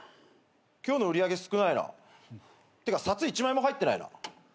今日の売り上げ少ないな。ってか札一枚も入ってないな。